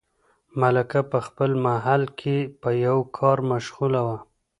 ملکه په خپل محل کې په یوه کار مشغوله وه.